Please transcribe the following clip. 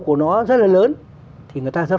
của nó rất là lớn thì người ta rất